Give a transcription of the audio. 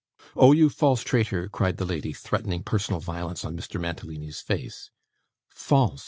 'Oh you false traitor!' cried the lady, threatening personal violence on Mr. Mantalini's face. 'False!